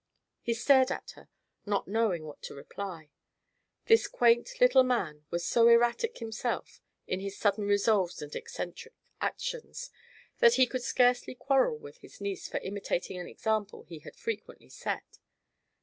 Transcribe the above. He stared at her, not knowing what to reply. This quaint little man was so erratic himself, in his sudden resolves and eccentric actions, that he could scarcely quarrel with his niece for imitating an example he had frequently set.